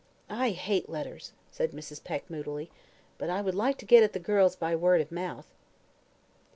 "I hate letters," said Mrs. Peck, moodily; "but I would like to get at the girls by word of mouth."